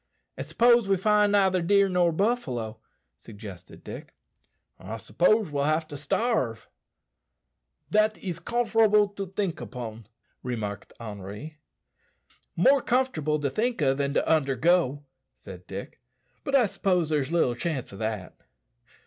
"And s'pose we neither find deer nor buffalo," suggested Dick. "I s'pose we'll have to starve." "Dat is cumfer'able to tink upon," remarked Henri. "More comfortable to think o' than to undergo," said Dick; "but I s'pose there's little chance o' that."